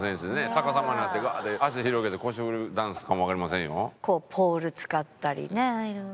逆さまになってガーッて脚広げて腰振るダンスかもわかりませんよ。